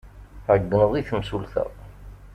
Tɛeyyneḍ i temsulta.